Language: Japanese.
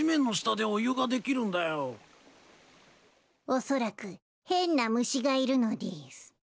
おそらく変な虫がいるのでぃす